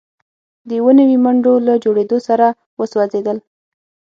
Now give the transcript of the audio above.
د اووه نوي منډو له جوړیدو سره وسوځیدل